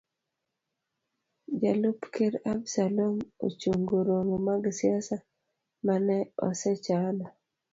Jalup ker Absalom ochungo romo mag siasa mane osechano.